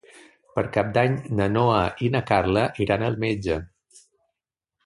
Per Cap d'Any na Noa i na Carla iran al metge.